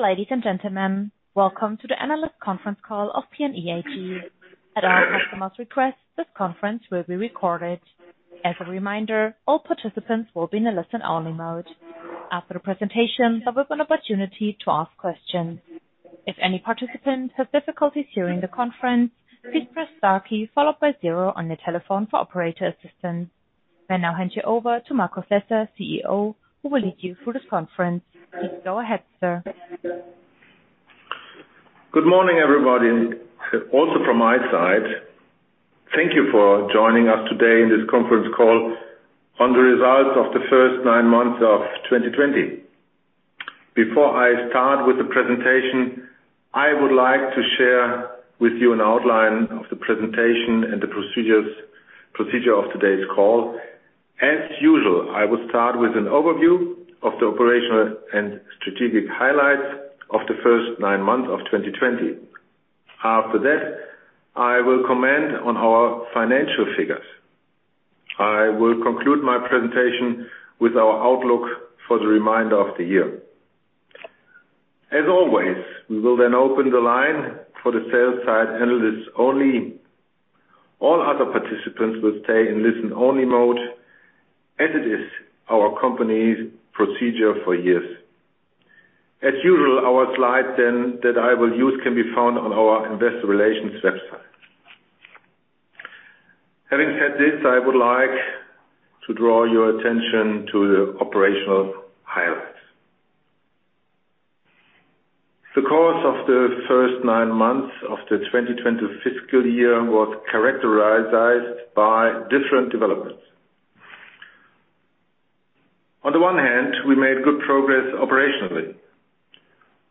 Ladies and gentlemen, welcome to the analyst conference call of PNE AG. At our customer's request, this conference will be recorded. As a reminder, all participants will be in a listen-only mode. After the presentation, there will be an opportunity to ask questions. If any participants have difficulties hearing the conference, please press star key followed by zero on your telephone for operator assistance. I now hand you over to Markus Lesser, CEO, who will lead you through this conference. Please go ahead, sir. Good morning, everybody. Also from my side, thank you for joining us today in this conference call on the results of the first nine months of 2020. Before I start with the presentation, I would like to share with you an outline of the presentation and the procedure of today's call. As usual, I will start with an overview of the operational and strategic highlights of the first nine months of 2020. After that, I will comment on our financial figures. I will conclude my presentation with our outlook for the remainder of the year. As always, we will then open the line for the sell-side analysts only. All other participants will stay in listen-only mode as it is our company's procedure for years. As usual, our slides that I will use can be found on our investor relations website. Having said this, I would like to draw your attention to the operational highlights. The course of the first nine months of the 2020 fiscal year was characterized by different developments. On the one hand, we made good progress operationally.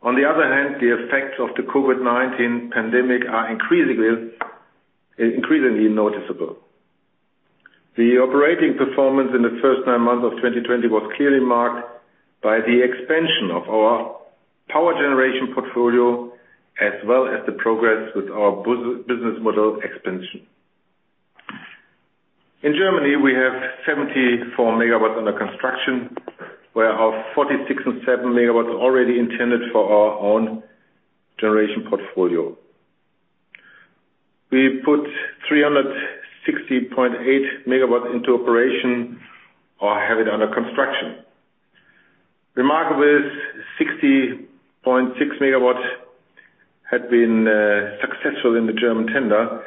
On the other hand, the effects of the COVID-19 pandemic are increasingly noticeable. The operating performance in the first nine months of 2020 was clearly marked by the expansion of our power generation portfolio, as well as the progress with our business model expansion. In Germany, we have 74 megawatts under construction, where our 46.7 megawatts are already intended for our own generation portfolio. We put 360.8 megawatts into operation or have it under construction. Remarkable is 60.6 megawatts had been successful in the German tender,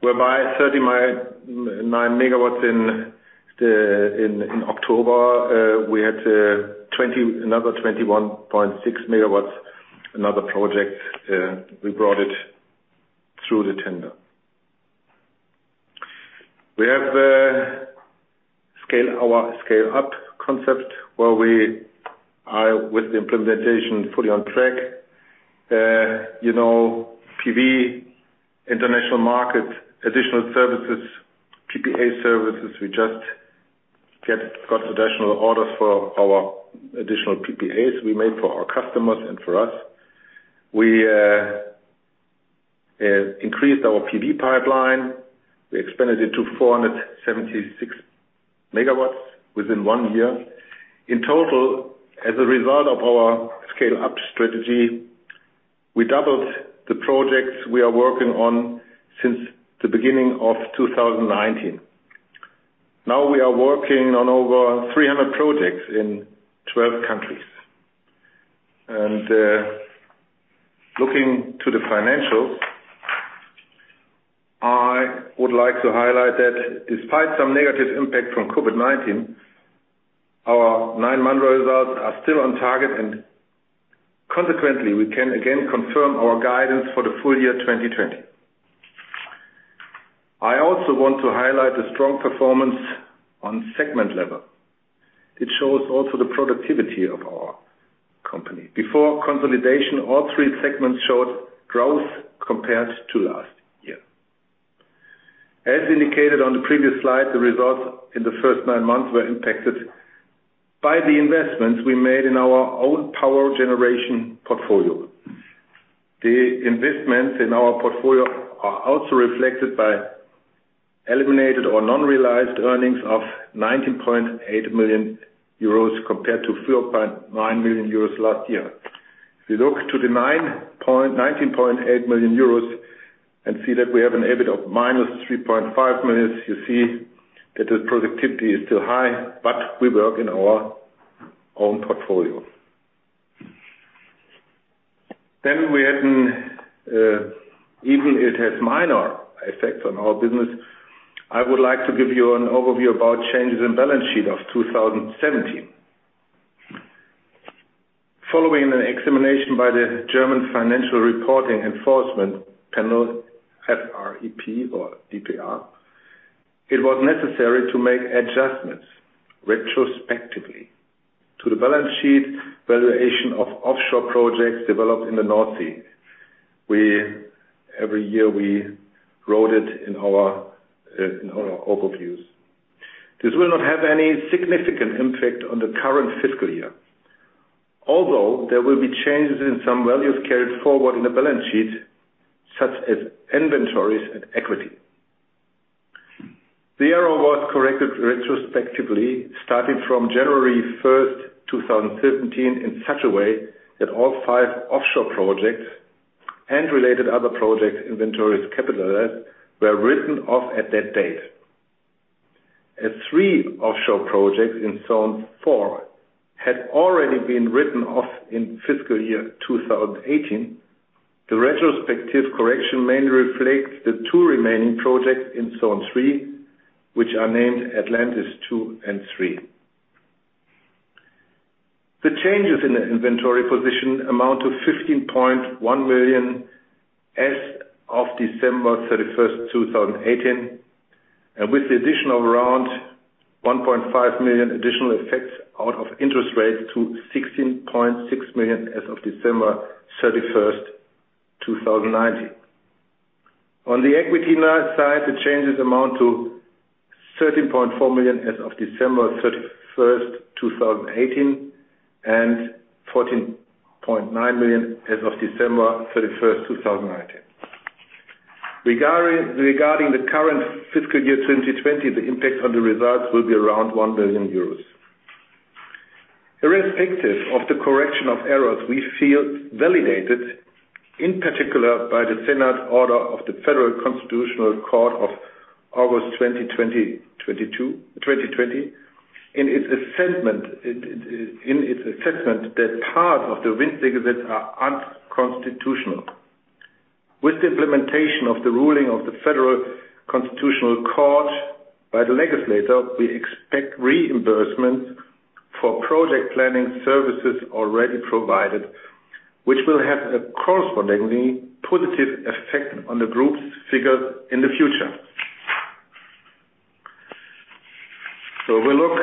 whereby 39 megawatts in October, we had another 21.6 megawatts, another project, we brought it through the tender. We have our scale-up concept where we are with the implementation fully on track. PV, international market, additional services, PPA services. We just got additional orders for our additional PPAs we made for our customers and for us. We increased our PV pipeline. We expanded it to 476 MW within one year. In total, as a result of our scale-up strategy, we doubled the projects we are working on since the beginning of 2019. Now we are working on over 300 projects in 12 countries. Looking to the financials, I would like to highlight that despite some negative impact from COVID-19, our nine-month results are still on target, and consequently, we can again confirm our guidance for the full year 2020. I also want to highlight the strong performance on segment level. It shows also the productivity of our company. Before consolidation, all three segments showed growth compared to lastPNE AG Advances Scale-up 2.0 Strategy with Strong Project Pipeline and Robust Finances Despite COVID-19 Challenges. As indicated on the previous slide, the results in the first nine months were impacted by the investments we made in our own power generation portfolio. The investments in our portfolio are also reflected by eliminated or non-realized earnings of 19.8 million euros compared to 3.9 million euros last year. If you look to the 19.8 million euros and see that we have an EBIT of minus 3.5 million, you see that the productivity is still high, but we work in our own portfolio. We had, even it has minor effects on our business, I would like to give you an overview about changes in balance sheet of 2017. Following an examination by the German Financial Reporting Enforcement Panel, FREP or DPR, it was necessary to make adjustments retrospectively to the balance sheet valuation of offshore projects developed in the North Sea. Every year we wrote it in our overviews. This will not have any significant impact on the current fiscal year. Although there will be changes in some values carried forward in the balance sheet, such as inventories and equity. The error was corrected retrospectively starting from January 1st, 2017, in such a way that all five offshore projects and related other projects inventories capitalized were written off at that date. As three offshore projects in Zone four had already been written off in fiscal year 2018, the retrospective correction mainly reflects the two remaining projects in Zone three, which are named Atlantis II and III. The changes in the inventory position amount to 15.1 million as of December 31st, 2018, and with the addition of around 1.5 million additional effects out of interest rates to 16.6 million as of December 31st, 2019. On the equity side, the changes amount to 13.4 million as of December 31st, 2018, and 14.9 million as of December 31st, 2019. Regarding the current fiscal year 2020, the impact on the results will be around one billion euros. Irrespective of the correction of errors, we feel validated, in particular by the Senate order of the Federal Constitutional Court of August 2020. In its assessment, that part of the wind figures that are unconstitutional. With the implementation of the ruling of the Federal Constitutional Court by the legislator, we expect reimbursement for project planning services already provided, which will have a correspondingly positive effect on the group's figures in the future. We look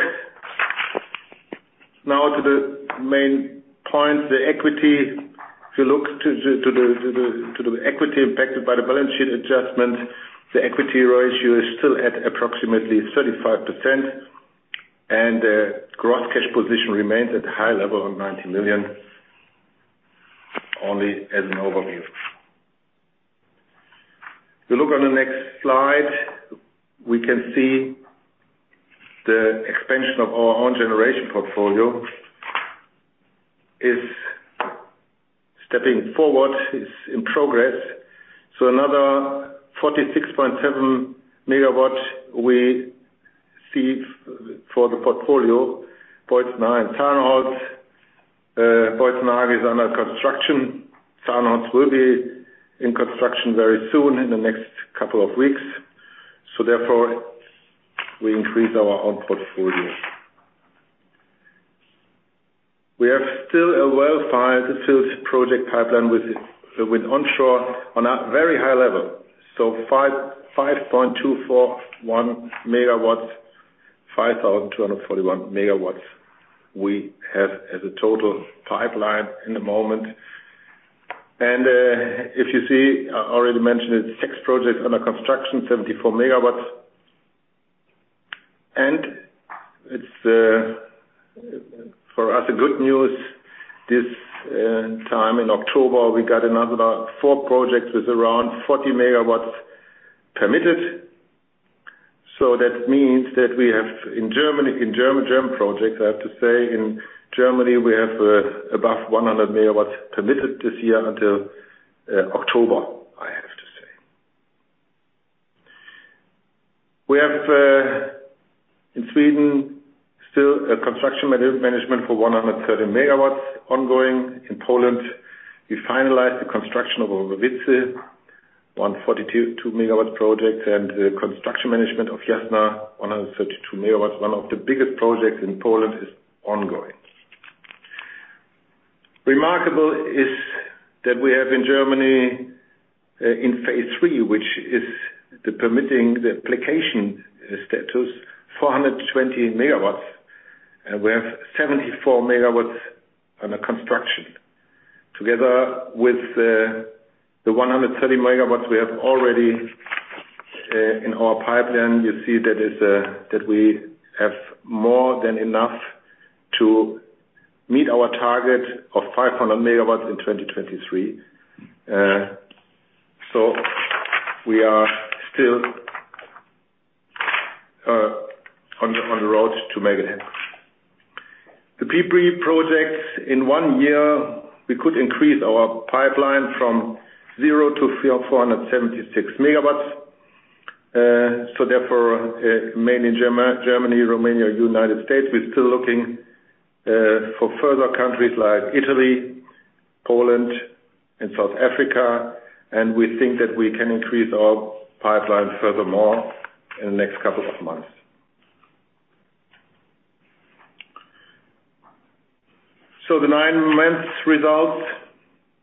now to the main points, the equity. If you look to the equity impacted by the balance sheet adjustment, the equity ratio is still at approximately 35%, and the gross cash position remains at a high level of 90 million only as an overview. If you look on the next slide, we can see the expansion of our own generation portfolio is stepping forward, is in progress. Another 46.7 MW we see for the portfolio, Boitzenhagen, Sandsholt. Boitzenhagen is under construction. Sandsholt will be in construction very soon in the next couple of weeks. Therefore, we increase our own portfolio. We have still a well-filled project pipeline with onshore on a very high level. 5,241 MW we have as a total pipeline at the moment. If you see, I already mentioned it, six projects under construction, 74 MW. It's, for us, a good news this time in October, we got another four projects with around 40 MW permitted. That means that we have in German projects, I have to say, in Germany, we have above 100 MW permitted this year until October, I have to say. We have in Sweden still a construction management for 130 MW ongoing. In Poland, we finalized the construction of Nowe Wietrzy, 142 MW project, and the construction management of Jasina, 132 MW, one of the biggest projects in Poland, is ongoing. Remarkable is that we have in Germany, in phase III, which is the permitting, the application status, 420 MW, and we have 74 MW under construction. Together with the 130 MW we have already in our pipeline, you see that we have more than enough to meet our target of 500 MW in 2023. We are still on the road to make it happen. The PPA projects in one year, we could increase our pipeline from zero to 476 megawatts. Therefore, mainly Germany, Romania, United States. We're still looking for further countries like Italy, Poland, and South Africa, and we think that we can increase our pipeline furthermore in the next couple of months. The nine-month results,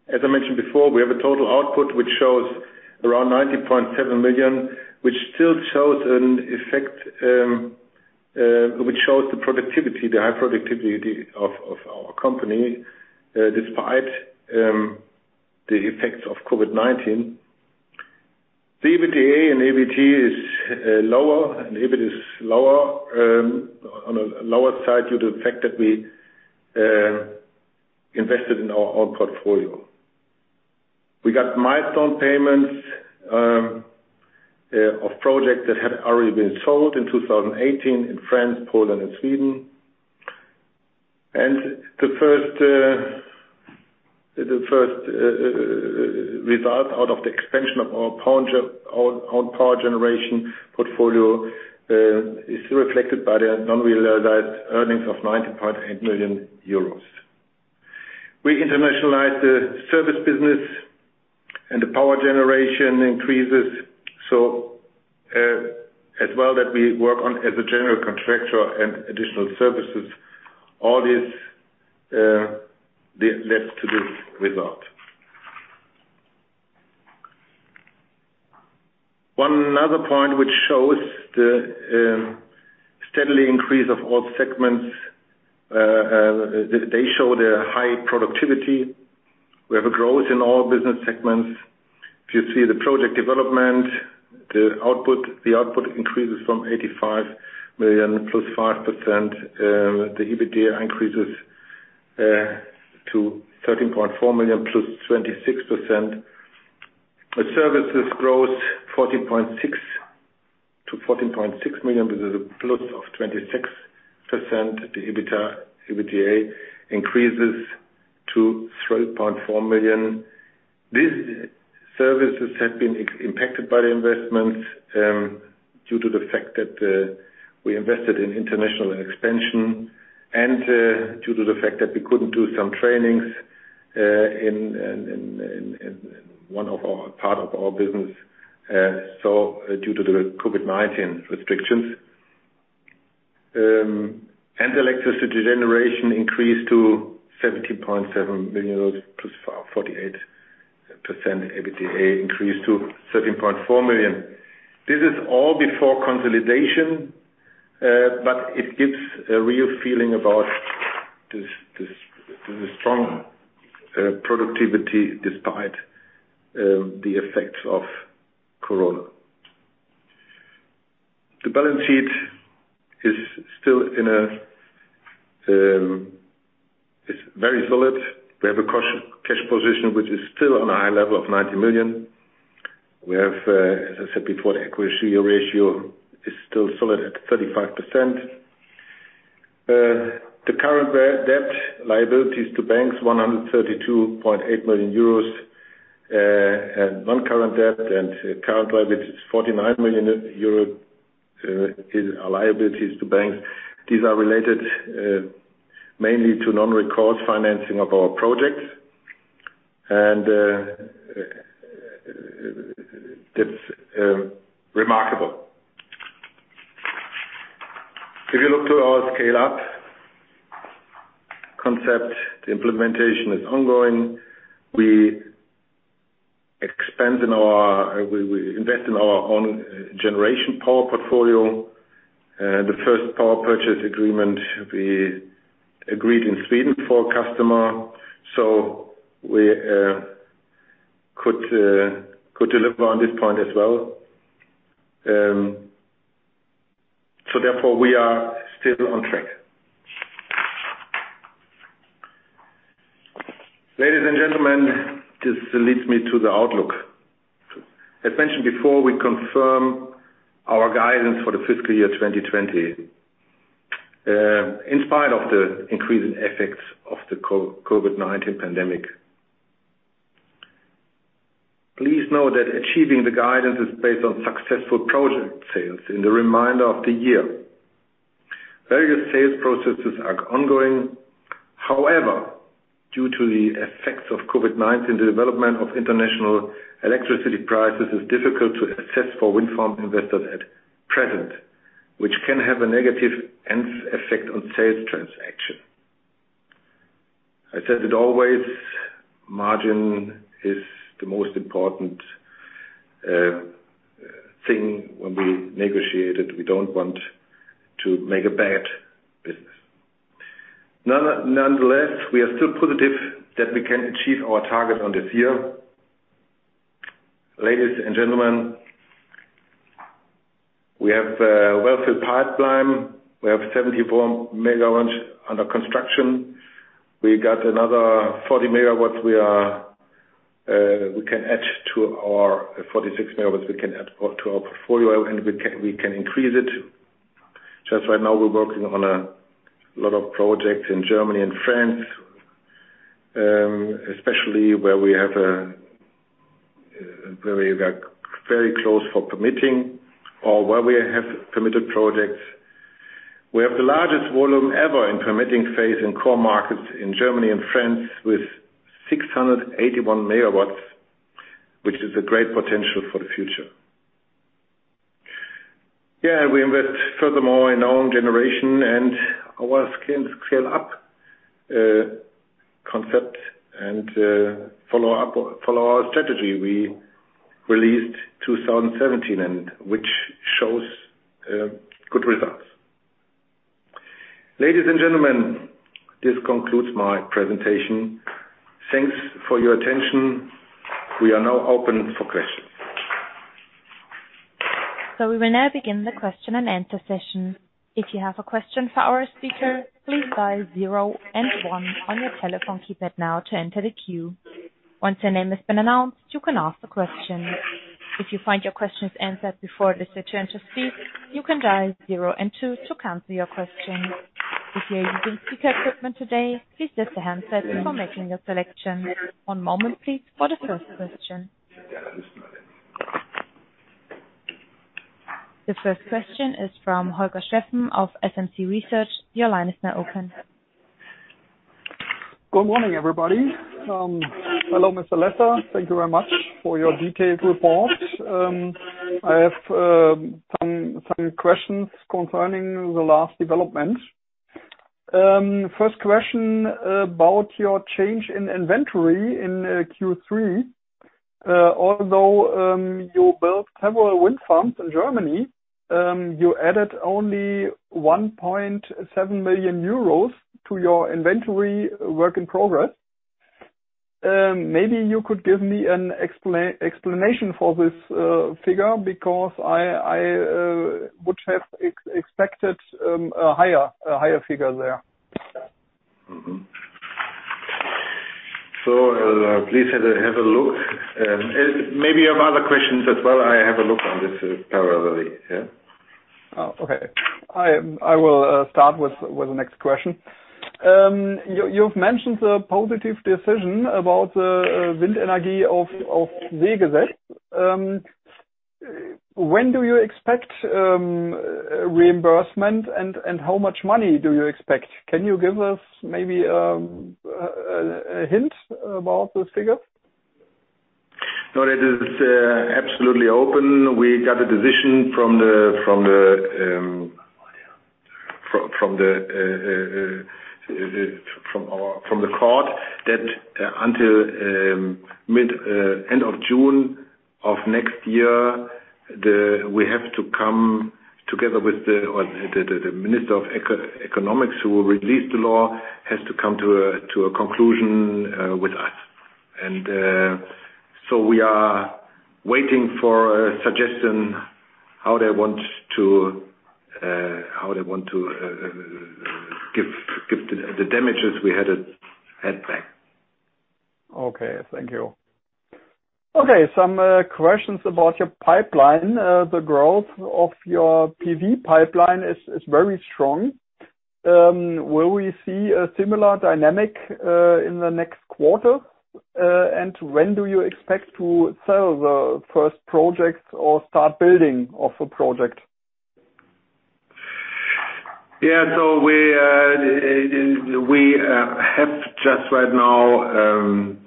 as I mentioned before, we have a total output which shows around 90.7 million, which shows the productivity, the high productivity of our company, despite the effects of COVID-19. The EBITDA and EBIT is lower, and EBIT is on a lower side due to the fact that we invested in our own portfolio. We got milestone payments of projects that had already been sold in 2018 in France, Poland, and Sweden. The first result out of the expansion of our own power generation portfolio is reflected by the non-realized earnings of 90.8 million euros. We internationalized the service business and the power generation increases, so as well that we work on as a general contractor and additional services, all this led to this result. One other point which shows the steadily increase of all segments, they show their high productivity. We have a growth in all business segments. If you see the project development, the output increases from 85 million plus five percent. The EBITDA increases to 13.4 million plus 26%. The services grows to 14.6 million with a plus of 26%. The EBITDA increases to 12.4 million. These services have been impacted by the investments due to the fact that we invested in international expansion and due to the fact that we couldn't do some trainings in one part of our business, so due to the COVID-19 restrictions. Electricity generation increased to 17.7 million euros, plus 48% EBITDA increased to 13.4 million. This is all before consolidation, but it gives a real feeling about the strong productivity despite the effects of Corona. The balance sheet is very solid. We have a cash position which is still on a high level of 90 million. We have, as I said before, the equity ratio is still solid at 35%. The current debt liabilities to banks, 132.8 million euros in non-current debt and current liabilities, 49 million euros in liabilities to banks. These are related mainly to non-recourse financing of our projects. That's remarkable. If you look to our scale-up concept, the implementation is ongoing. We invest in our own generation power portfolio. The first power purchase agreement we agreed in Sweden for a customer, so we could deliver on this point as well. Therefore, we are still on track. Ladies and gentlemen, this leads me to the outlook. As mentioned before, we confirm our guidance for the fiscal year 2020. In spite of the increasing effects of the COVID-19 pandemic. Please know that achieving the guidance is based on successful project sales in the remainder of the year. Various sales processes are ongoing. However, due to the effects of COVID-19, the development of international electricity prices is difficult to assess for wind farm investors at present, which can have a negative end effect on sales transaction. I said it always, margin is the most important thing when we negotiate it. We don't want to make a bad business. Nonetheless, we are still positive that we can achieve our target on this year. Ladies and gentlemen, we have a well-filled pipeline. We have 74 megawatts under construction. We got another 40 megawatts we can add to our 46 megawatts we can add to our portfolio, and we can increase it. Just right now, we're working on a lot of projects in Germany and France, especially where we got very close for permitting or where we have permitted projects. We have the largest volume ever in permitting phase in core markets in Germany and France with 681 megawatts, which is a great potential for the future. Yeah, we invest furthermore in our own generation and our scale-up concept and follow our strategy we released 2017 and which shows good results. Ladies and gentlemen, this concludes my presentation. Thanks for your attention. We are now open for questions. We will now begin the question and answer session. If you have a question for our speaker, please dial zero and one on your telephone keypad now to enter the queue. Once your name has been announced, you can ask the question. If you find your question is answered before it is your turn to speak, you can dial zero and two to cancel your question. If you are using speaker equipment today, please lift the handset before making your selection. One moment please for the first question. The first question is from Holger Steffen of SMC Research. Your line is now open. Good morning, everybody. Hello, Mr. Lesser. Thank you very much for your detailed report. I have some questions concerning the last development. First question about your change in inventory in Q3. Although you built several wind farms in Germany, you added only 1.7 million euros to your inventory work in progress. Maybe you could give me an explanation for this figure, because I would have expected a higher figure there. Please have a look. Maybe you have other questions as well, I have a look on this parallelly, yeah. Oh, okay. I will start with the next question. You've mentioned the positive decision about WindSeeG. When do you expect reimbursement and how much money do you expect? Can you give us maybe a hint about those figures? No, that is absolutely open. We got a decision from the court that until end of June of next year, we have to come together with the minister of economics, who will release the law, has to come to a conclusion with us. We are waiting for a suggestion how they want to give the damages we had back. Okay. Thank you. Okay. Some questions about your pipeline. The growth of your PV pipeline is very strong. Will we see a similar dynamic in the next quarter? When do you expect to sell the first projects or start building of a project? Yeah, we have just right now,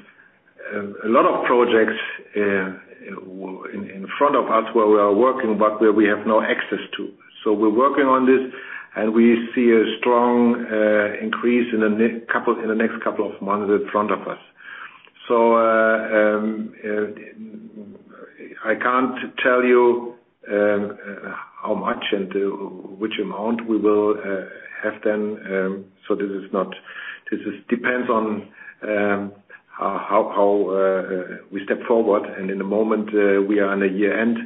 a lot of projects in front of us where we are working, but where we have no access to. We're working on this, and we see a strong increase in the next couple of months in front of us. I can't tell you how much and which amount we will have then. This depends on how we step forward. In the moment, we are on a year-end.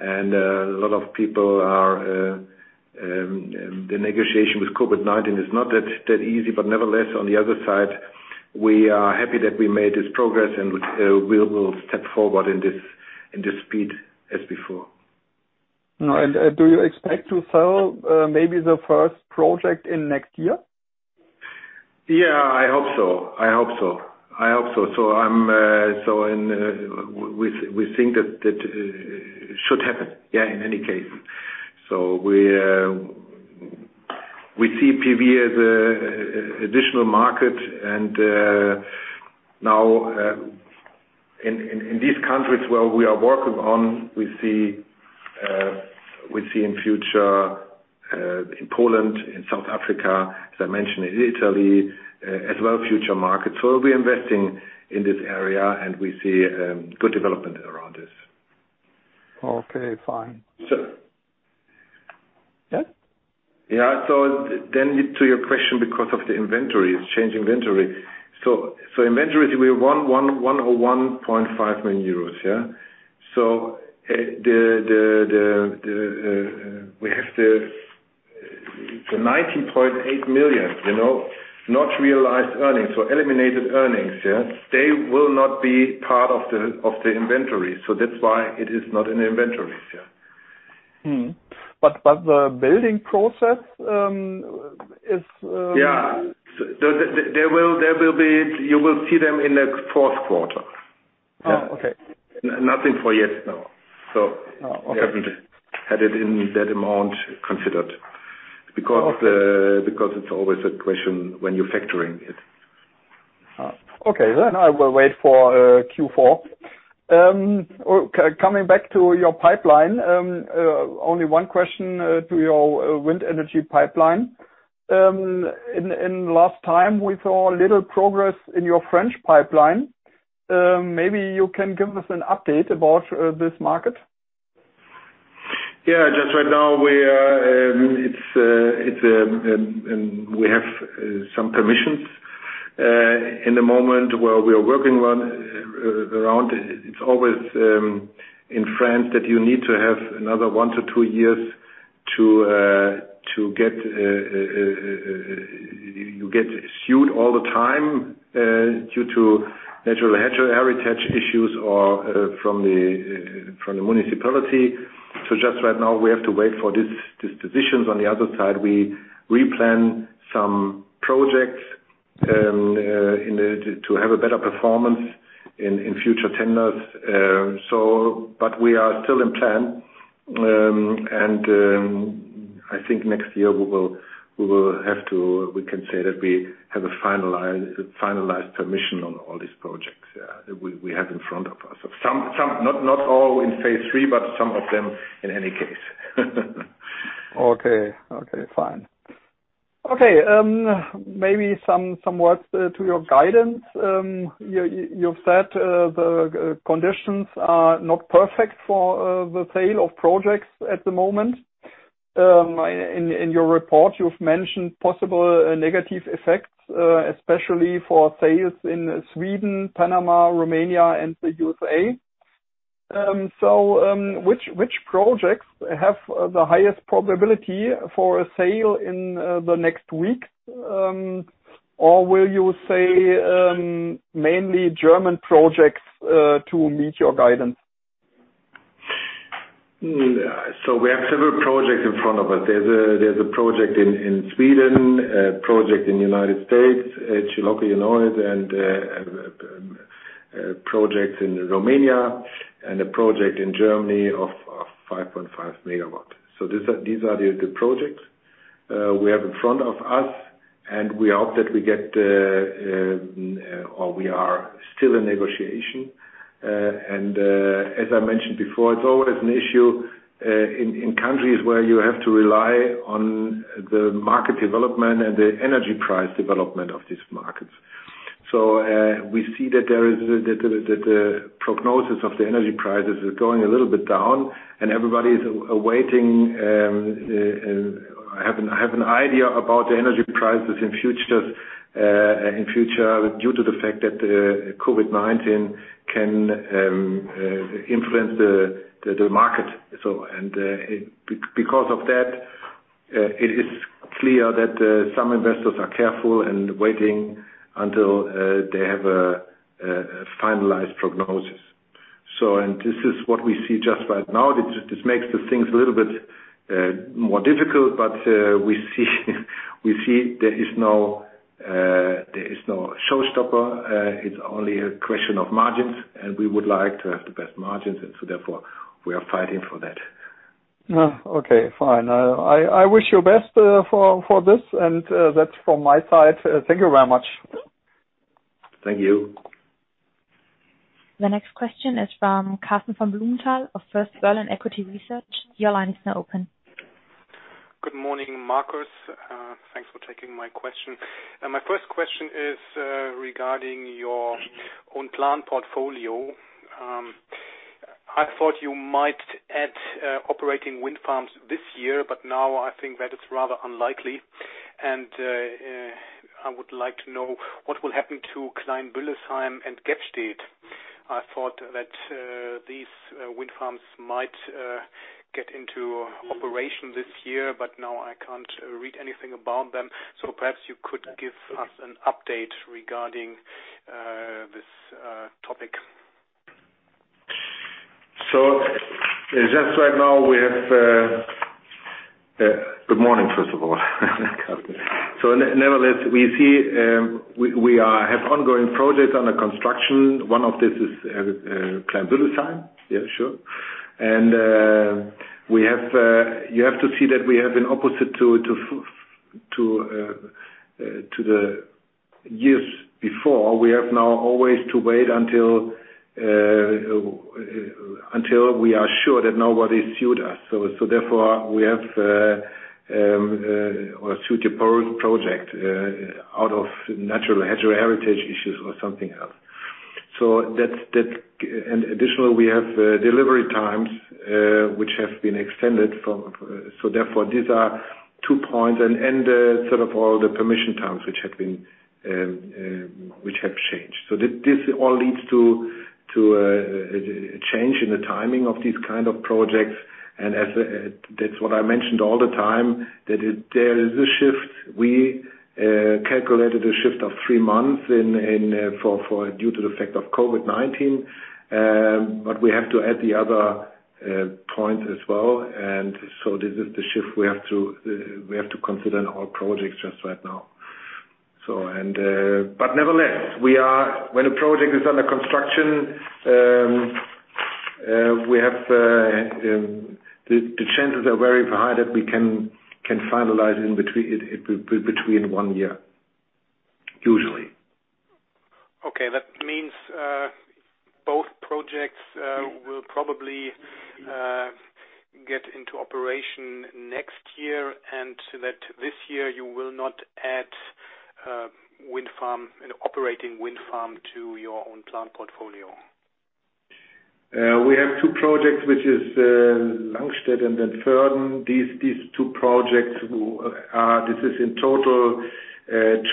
The negotiation with COVID-19 is not that easy, nevertheless, on the other side, we are happy that we made this progress, and we will step forward in this speed as before. Do you expect to sell maybe the first project in next year? Yeah, I hope so. We think that that should happen, in any case. We see PV as additional market, and now, in these countries where we are working on, we see in future, in Poland, in South Africa, as I mentioned, in Italy, as well, future markets. We'll be investing in this area, and we see good development around this. Okay, fine. So. Yeah. Yeah. To your question, because of the inventory, it's changing inventory. Inventory, we're one or 1.5 million euros? We have the 19.8 million not realized earnings. Eliminated earnings. They will not be part of the inventory. That's why it is not in the inventory. Yeah. The building process. Yeah. You will see them in the Q4. Oh, okay. Nothing for yet, no. We haven't had it in that amount considered because it's always a question when you're factoring it. Okay. I will wait for Q4. Coming back to your pipeline. Only one question to your wind energy pipeline. In the last time, we saw a little progress in your French pipeline. Maybe you can give us an update about this market. Yeah, just right now we have some permissions, in the moment where we are working around, it's always in France that you need to have another one -two years to get sued all the time, due to natural heritage issues or from the municipality. Just right now, we have to wait for these permissions. On the other side, we replan some projects to have a better performance in future tenders. We are still in plan. I think next year we can say that we have a finalized permission on all these projects we have in front of us. Not all in phase three, but some of them in any case. Okay, fine. Maybe some words to your guidance. You've said the conditions are not perfect for the sale of projects at the moment. In your report, you've mentioned possible negative effects, especially for sales in Sweden, Panama, Romania, and the USA. Which projects have the highest probability for a sale in the next week? Will you say, mainly German projects, to meet your guidance? We have several projects in front of us. There's a project in Sweden, a project in the U.S., Chilocco, Oklahoma, and a project in Romania, and a project in Germany of 5.5 MW. These are the projects we have in front of us, and we hope that we get, or we are still in negotiation. As I mentioned before, it's always an issue in countries where you have to rely on the market development and the energy price development of these markets. We see that the prognosis of the energy prices is going a little bit down and everybody is awaiting, have an idea about the energy prices in future, due to the fact that COVID-19 can influence the market. Because of that, it is clear that some investors are careful and waiting until they have a finalized prognosis. This is what we see just right now. This makes the things a little bit more difficult, but we see there is no showstopper. It's only a question of margins, and we would like to have the best margins and so therefore, we are fighting for that. Okay, fine. I wish you the best for this and that's from my side. Thank you very much. Thank you. The next question is from Karsten von Blumenthal of First Berlin Equity Research. Your line is now open. Good morning, Markus. Thanks for taking my question. My first question is regarding your own plant portfolio. I thought you might add operating wind farms this year, but now I think that it's rather unlikely, and I would like to know what will happen to Kleinbüllesheim and Gebstedt. I thought that these wind farms might get into operation this year, but now I can't read anything about them. Perhaps you could give us an update regarding this topic. Just right now we have Good morning, first of all Karsten. Nevertheless, we have ongoing projects under construction. One of this is Kleinbüllesheim. Yeah, sure. You have to see that we have been opposite to the years before. We have now always to wait until we are sure that nobody sued us. Therefore, we have a suitable project out of natural heritage issues or something else. Additionally, we have delivery times, which have been extended. Therefore, these are two points and the permission times which have changed. This all leads to a change in the timing of these kind of projects, and that's what I mentioned all the time, that there is a shift. We calculated a shift of three months due to the effect of COVID-19. We have to add the other points as well. This is the shift we have to consider in our projects just right now. Nevertheless, when a project is under construction, the chances are very high that we can finalize it between one year, usually. Okay. That means, both projects will probably get into operation next year and that this year you will not add operating wind farm to your own plant portfolio. We have two projects, which is Langstedt and then Vörden. These two projects, this is in total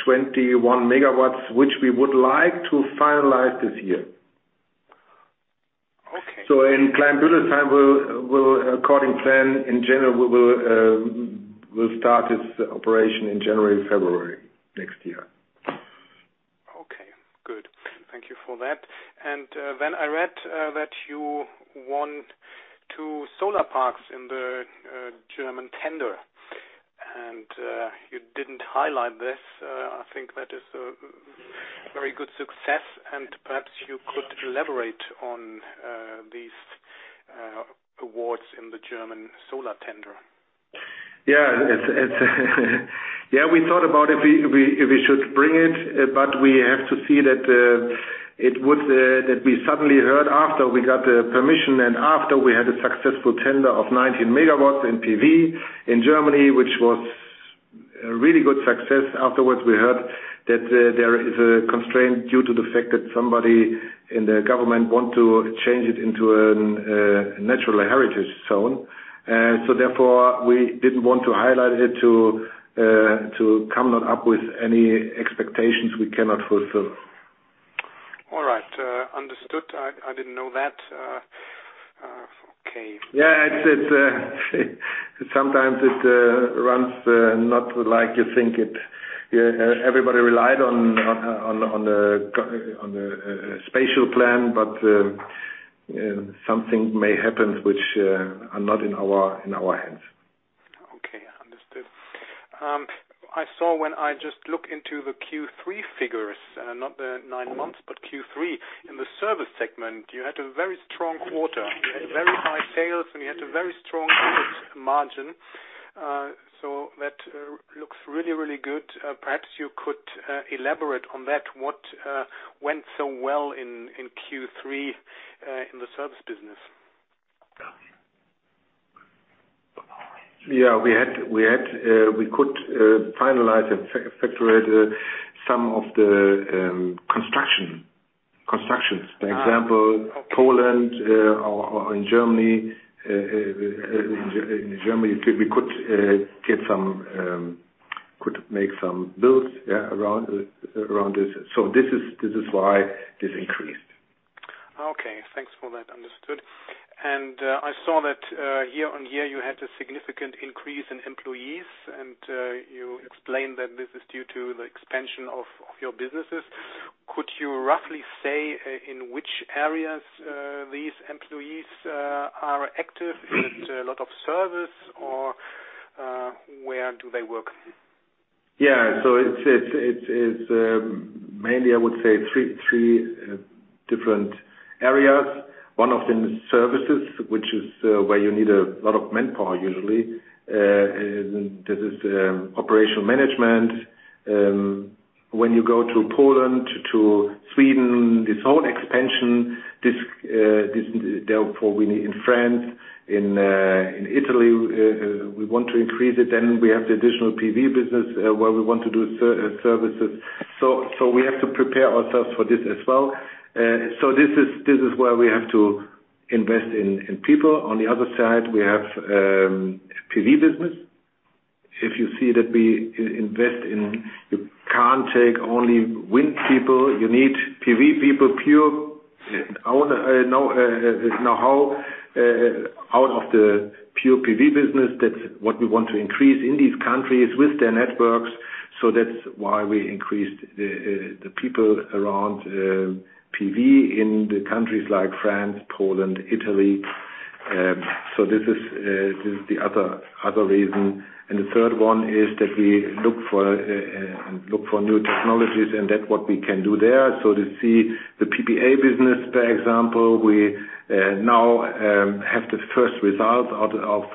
21 megawatts, which we would like to finalize this year. Okay. In Kleinbullesheim, according plan, will start its operation in January, February next year. Okay, good. Thank you for that. I read that you won two solar parks in the German tender, and you didn't highlight this. I think that is a very good success. Perhaps you could elaborate on these awards in the German solar tender. We thought about if we should bring it. We have to see that we suddenly heard after we got the permission and after we had a successful tender of 19 megawatts in PV in Germany, which was a really good success. Afterwards, we heard that there is a constraint due to the fact that somebody in the government want to change it into a natural heritage zone. Therefore, we didn't want to highlight it to come not up with any expectations we cannot fulfill. All right. Understood. I didn't know that. Okay. Yeah. Sometimes it runs not like you think it. Everybody relied on the spatial plan, something may happen which are not in our hands. Okay, understood. I saw when I just look into the Q3 figures, not the nine months, but Q3. In the service segment, you had a very strong quarter. You had very high sales, and you had a very strong margin. That looks really good. Perhaps you could elaborate on that. What went so well in Q3 in the service business? Yeah, we could finalize and factorize some of the constructions. By example, Poland or in Germany, we could make some builds around it. This is why this increased. Okay, thanks for that. Understood. I saw that year on year, you had a significant increase in employees, and you explained that this is due to the expansion of your businesses. Could you roughly say in which areas these employees are active? Is it a lot of service, or where do they work? Yeah. It is mainly, I would say three different areas. One of them is services, which is where you need a lot of manpower usually. This is operational management. When you go to Poland, to Sweden, this whole expansion, we need in France, in Italy, we want to increase it. We have the additional PV business where we want to do services. We have to prepare ourselves for this as well. This is where we have to invest in people. On the other side, we have PV business. If you see that we invest in, you can't take only wind people, you need PV people pure. Know-how out of the pure PV business, that's what we want to increase in these countries with their networks. That's why we increased the people around PV in the countries like France, Poland, Italy. This is the other reason. The third one is that we look for new technologies and that what we can do there. To see the PPA business, for example, we now have the first results out of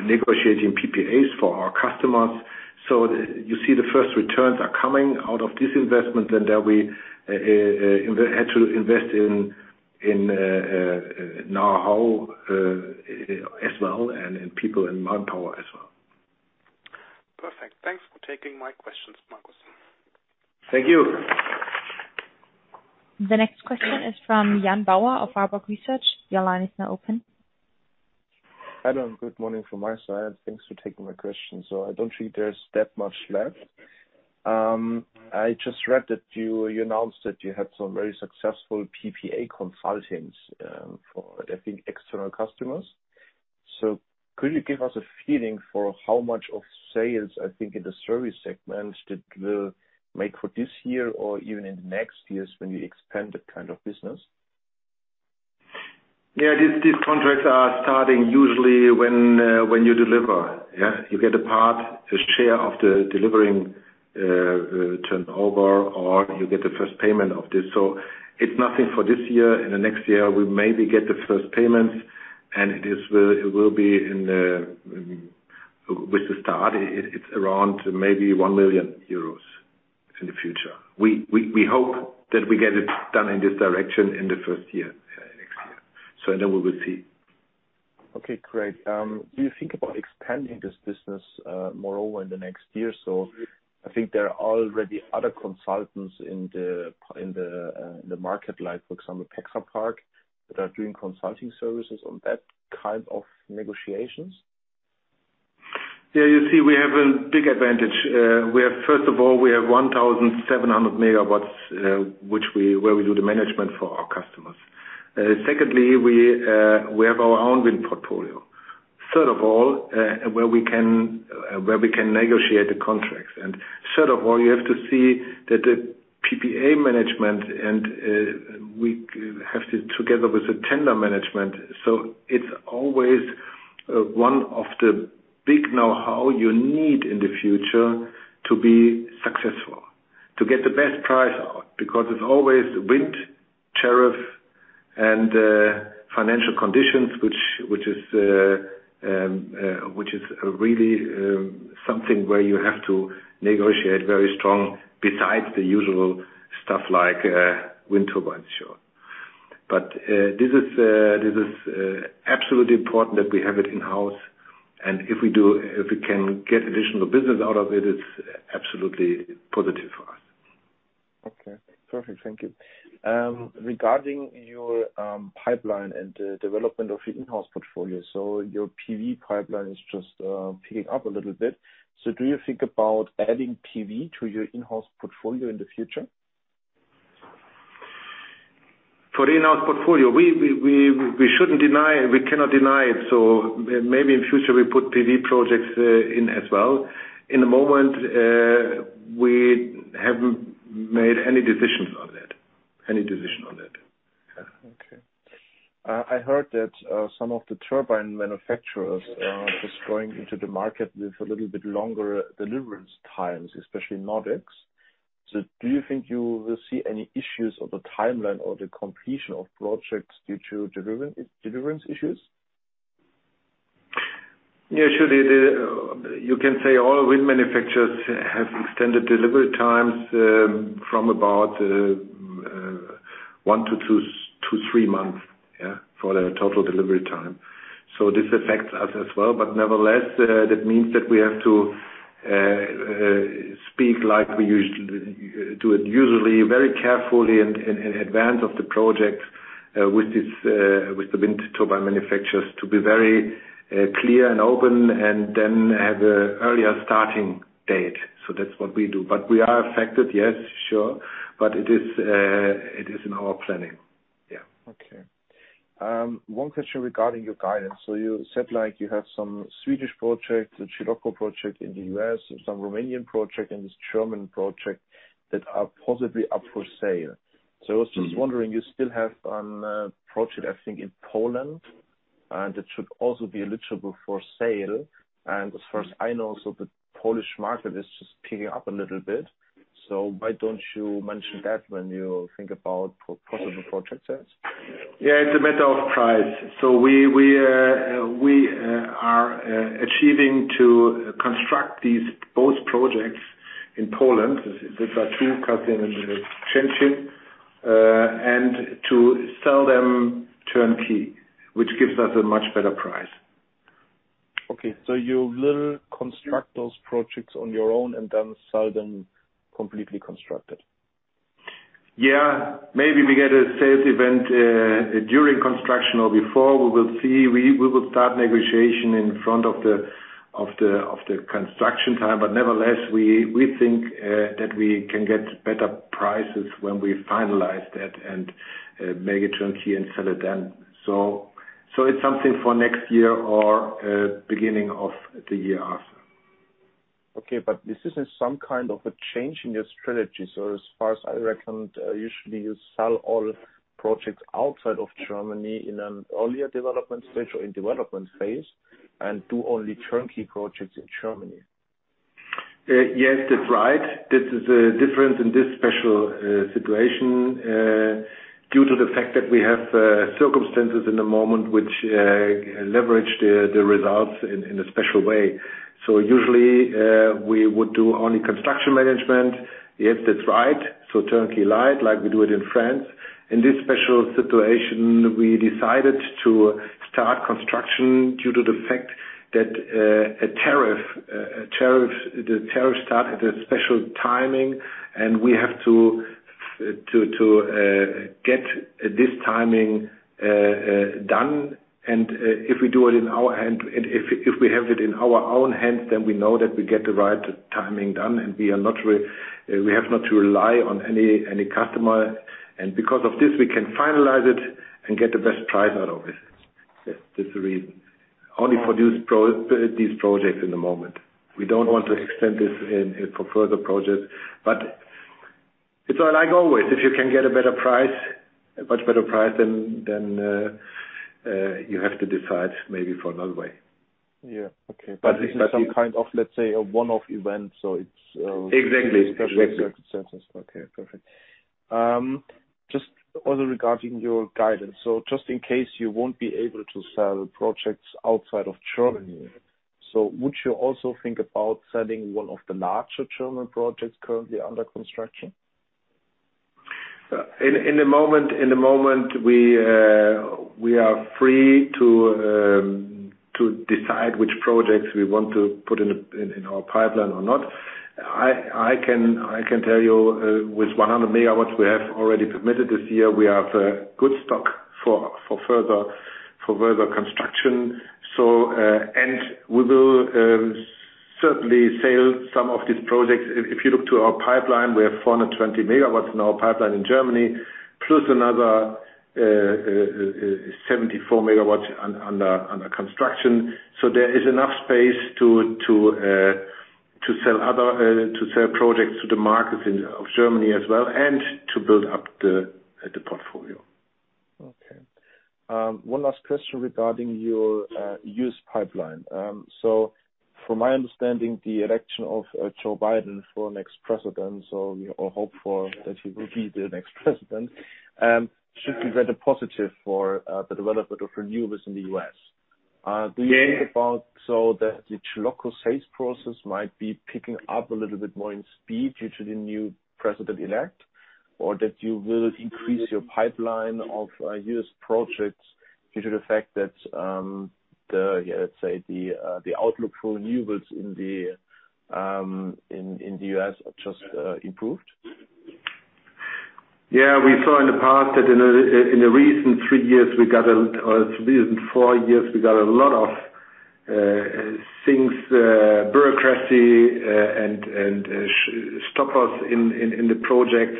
negotiating PPAs for our customers. You see the first returns are coming out of this investment, and there we had to invest in know-how as well, and in people and manpower as well. Perfect. Thanks for taking my questions, Markus. Thank you. The next question is from Jan Bauer of Warburg Research. Your line is now open. Hello and good morning from my side. Thanks for taking my question. I don't think there's that much left. I just read that you announced that you had some very successful PPA consultings for, I think, external customers. Could you give us a feeling for how much of sales, I think in the service segment, that will make for this year or even in the next years when you expand that kind of business? Yeah, these contracts are starting usually when you deliver. You get a part, a share of the delivering turnover, or you get the first payment of this. It's nothing for this year. In the next year, we maybe get the first payments, and it will be with the start, it's around maybe one million euros in the future. We hope that we get it done in this direction in the first year, next year. We will see. Okay, great. Do you think about expanding this business more over in the next year or so? I think there are already other consultants in the market, for example, Pexapark, that are doing consulting services on that kind of negotiations. Yeah, you see, we have a big advantage. First of all, we have 1,700 megawatts, where we do the management for our customers. Secondly, we have our own wind portfolio. Third of all, where we can negotiate the contracts. Third of all, you have to see that the PPA management together with the tender management. It's always one of the big know-how you need in the future to be successful, to get the best price out, because it's always wind tariff and financial conditions, which is really something where you have to negotiate very strong besides the usual stuff like wind turbine, sure. This is absolutely important that we have it in-house, and if we can get additional business out of it's absolutely positive for us. Okay. Perfect, thank you. Regarding your pipeline and the development of your in-house portfolio, your PV pipeline is just picking up a little bit. Do you think about adding PV to your in-house portfolio in the future? For the in-house portfolio, we cannot deny it. Maybe in future we put PV projects in as well. In the moment, we haven't made any decisions on that. Okay. I heard that some of the turbine manufacturers are just going into the market with a little bit longer delivery times, especially Nordex. Do you think you will see any issues of the timeline or the completion of projects due to delivery issues? Yeah, surely. You can say all wind manufacturers have extended delivery times from about one to three months for their total delivery time. This affects us as well, but nevertheless, that means that we have to speak like we do it usually, very carefully in advance of the projects with the wind turbine manufacturers to be very clear and open and then have a earlier starting date. That's what we do. We are affected, yes, sure. It is in our planning. Yeah. Okay. One question regarding your guidance. You said you have some Swedish projects, the Chilocco project in the U.S., some Romanian project, and this German project that are possibly up for sale. I was just wondering, you still have an project, I think, in Poland. It should also be eligible for sale. As far as I know, so the Polish market is just picking up a little bit. Why don't you mention that when you think about possible project sales? Yeah, it's a matter of price. We are achieving to construct these both projects in Poland. There are two. Kazim and Chęciny, and to sell them turnkey, which gives us a much better price. Okay, you will construct those projects on your own and then sell them completely constructed? Yeah. Maybe we get a sales event during construction or before. We will see. We will start negotiation in front of the construction time. Nevertheless, we think that we can get better prices when we finalize that and make it turnkey and sell it then. It's something for next year or beginning of the year after. This isn't some kind of a change in your strategy. As far as I reckon, usually you sell all projects outside of Germany in an earlier development stage or in development phase and do only turnkey projects in Germany. Yes, that's right. This is a difference in this special situation, due to the fact that we have circumstances in the moment which leverage the results in a special way. Usually, we would do only construction management. Yes, that's right. Turnkey light like we do it in France. In this special situation, we decided to start construction due to the fact that the tariff started a special timing and we have to get this timing done. If we have it in our own hands, then we know that we get the right timing done and we have not to rely on any customer. Because of this, we can finalize it and get the best price out of it. That's the reason. Only for these projects in the moment. We don't want to extend this for further projects. It's like always, if you can get a much better price, then you have to decide maybe for another way. Yeah. Okay. This is some kind of, let's say, a one-off event. Exactly. special circumstances. Okay, perfect. Just also regarding your guidance. Just in case you won't be able to sell projects outside of Germany, would you also think about selling one of the larger German projects currently under construction? In the moment we are free to decide which projects we want to put in our pipeline or not. I can tell you with 100 megawatts we have already permitted this year. We have good stock for further construction. We will certainly sell some of these projects. If you look to our pipeline, we have 420 megawatts in our pipeline in Germany, plus another 74 megawatts under construction. There is enough space to sell projects to the market of Germany as well, and to build up the portfolio. Okay. One last question regarding your U.S. pipeline. From my understanding, the election of Joe Biden for next president, or hope for that he will be the next president, should be very positive for the development of renewables in the U.S. Do you think about so that the local sales process might be picking up a little bit more in speed due to the new president elect? Or that you will increase your pipeline of U.S. projects due to the fact that, let's say, the outlook for renewables in the U.S. have just improved? Yeah. We saw in the past that in the recent three years, in four years, we got a lot of things, bureaucracy, and stop us in the project.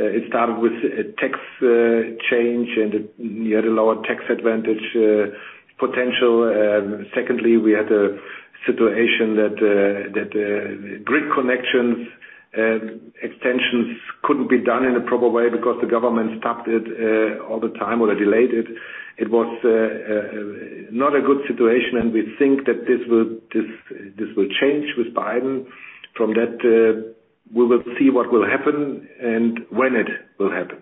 It started with a tax change and you had a lower tax advantage potential. Secondly, we had a situation that grid connections, extensions couldn't be done in a proper way because the government stopped it all the time or they delayed it. It was not a good situation, and we think that this will change with Biden. From that, we will see what will happen and when it will happen.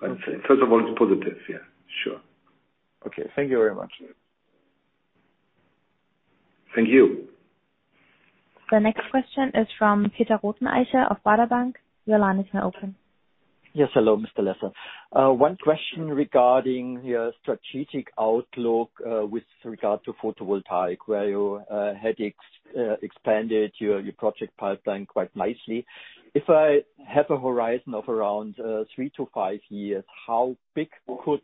I'd say, first of all, it's positive. Yeah, sure. Okay. Thank you very much. Thank you. The next question is from Peter Rothenaicher of Baader Bank. Your line is now open. Yes. Hello, Mr. Lesser. One question regarding your strategic outlook with regard to photovoltaic, where you had expanded your project pipeline quite nicely. If I have a horizon of around three - five years, how big could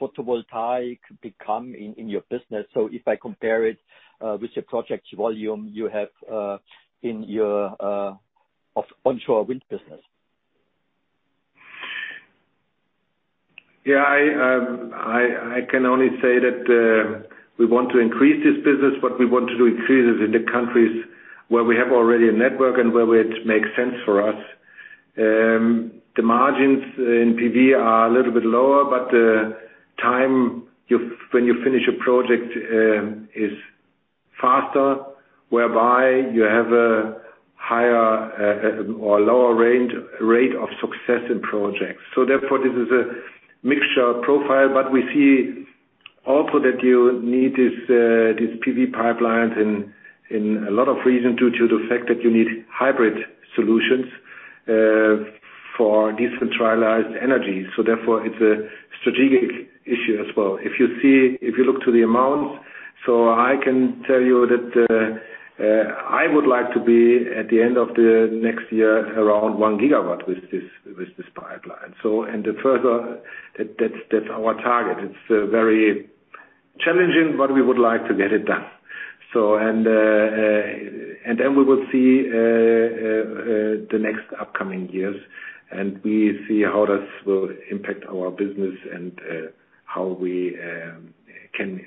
photovoltaic become in your business? If I compare it with your project volume you have in your onshore wind business. I can only say that we want to increase this business, but we want to do increases in the countries where we have already a network and where it makes sense for us. The margins in PV are a little bit lower, but the time when you finish a project is faster, whereby you have a higher or lower rate of success in projects. Therefore, this is a mixture profile. We see also that you need these PV pipelines in a lot of reasons due to the fact that you need hybrid solutions for decentralized energy. Therefore it's a strategic issue as well. If you look to the amounts, so I can tell you that I would like to be at the end of the next year around one gigawatt with this pipeline. That's our target. It's very challenging. We would like to get it done. We will see the next upcoming years, and we see how this will impact our business and how we can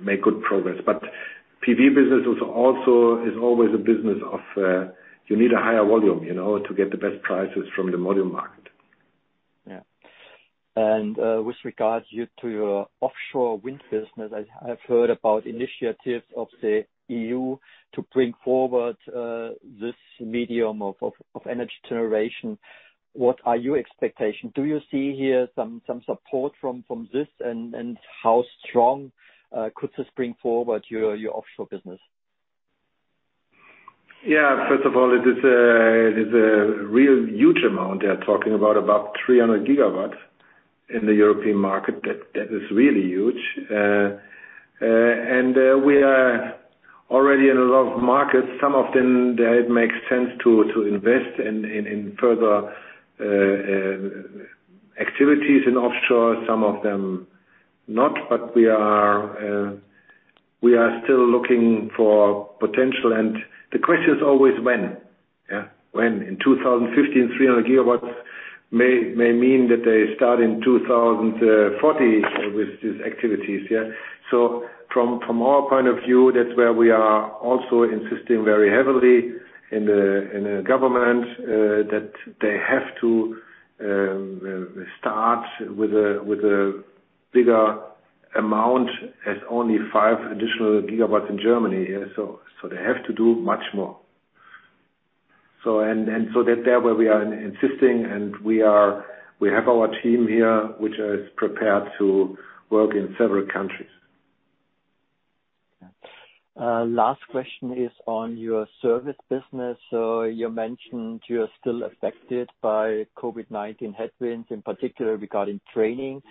make good progress. PV business is always a business of you need a higher volume to get the best prices from the module market. Yeah. With regards to your offshore wind business, I've heard about initiatives of the EU to bring forward this medium of energy generation. What are your expectation? Do you see here some support from this and how strong could this bring forward your offshore business? Yeah. First of all, it is a real huge amount. They're talking about 300 gigawatts in the European market. That is really huge. We are already in a lot of markets. Some of them that it makes sense to invest in further activities in offshore. Some of them not, but we are still looking for potential. The question is always when. When? In 2050, 300 gigawatts may mean that they start in 2040 with these activities. From our point of view, that's where we are also insisting very heavily in the government that they have to start with a bigger amount as only five additional gigawatts in Germany. They have to do much more. That there where we are insisting and we have our team here, which is prepared to work in several countries. Last question is on your service business. You mentioned you are still affected by COVID-19 headwinds, in particular regarding training.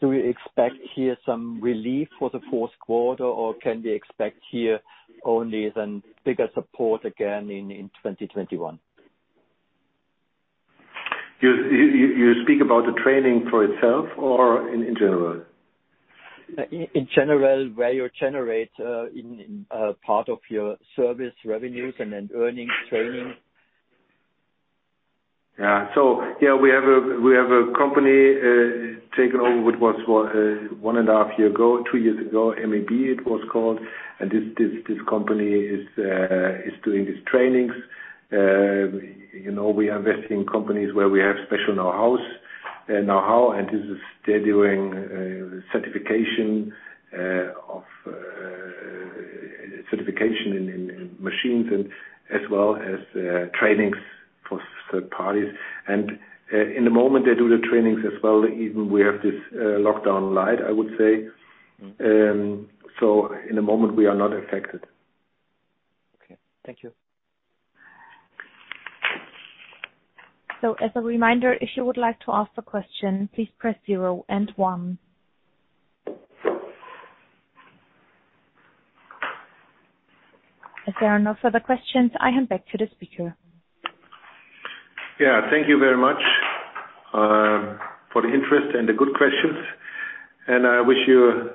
Do you expect here some relief for the Q4, or can we expect here only then bigger support again in 2021? You speak about the training for itself or in general? In general, where you generate in part of your service revenues and then earnings training. Yeah. We have a company taken over what was one and a half year ago, two years ago, MEB, it was called. This company is doing these trainings. We are investing in companies where we have special know-how. They're doing certification in machines and as well as trainings for third parties. In the moment they do the trainings as well, even we have this lockdown light, I would say. In the moment we are not affected. Okay. Thank you. As a reminder, if you would like to ask a question, please press zero and one. If there are no further questions, I hand back to the speaker. Yeah. Thank you very much for the interest and the good questions, and I wish you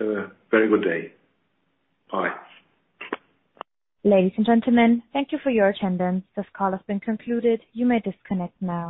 a very good day. Bye. Ladies and gentlemen, thank you for your attendance. This call has been concluded. You may disconnect now.